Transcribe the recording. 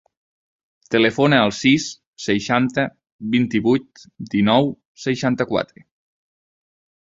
Telefona al sis, seixanta, vint-i-vuit, dinou, seixanta-quatre.